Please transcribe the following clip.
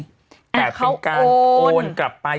แต่เป็นการโอนกลับไป